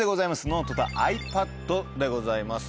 ノートとｉＰａｄでございます。